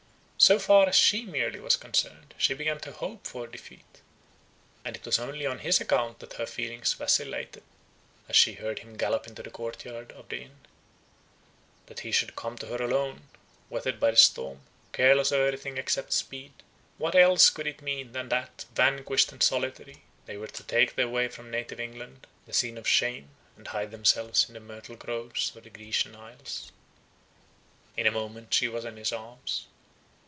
So far as she merely was concerned, she began to hope for defeat; and it was only on his account that her feelings vacillated, as she heard him gallop into the court yard of the inn. That he should come to her alone, wetted by the storm, careless of every thing except speed, what else could it mean, than that, vanquished and solitary, they were to take their way from native England, the scene of shame, and hide themselves in the myrtle groves of the Grecian isles? In a moment she was in his arms.